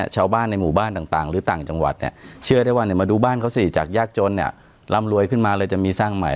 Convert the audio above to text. ชาวบ้านในหมู่บ้านต่างหรือต่างจังหวัดเนี่ยเชื่อได้ว่ามาดูบ้านเขาสิจากยากจนเนี่ยร่ำรวยขึ้นมาเลยจะมีสร้างใหม่